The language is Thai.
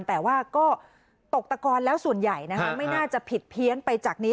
แต่ว่าก็ตกตะกอนแล้วส่วนใหญ่ไม่น่าจะผิดเพี้ยนไปจากนี้